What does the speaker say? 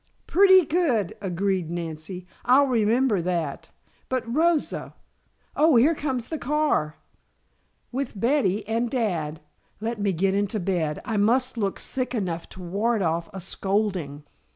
"Pretty good!" agreed Nancy. "I'll remember that. But Rosa oh, here comes the car!" "With Betty and dad. Let me get into bed. I must look sick enough to ward off a scolding!"